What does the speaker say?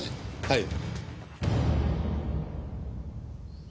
はい。